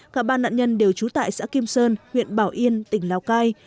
cả ba nạn nhân đều trú tại xã kim sơn huyện bảo yên tỉnh lào cai